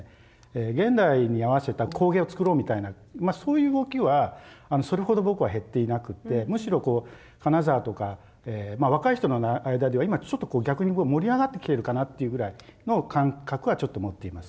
現代に合わせた工芸を作ろうみたいなそういう動きはそれほど僕は減っていなくってむしろ金沢とか若い人の間では今ちょっとこう逆に盛り上がってきてるかなっていうぐらいの感覚はちょっと持っています。